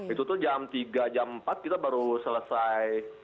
itu tuh jam tiga jam empat kita baru selesai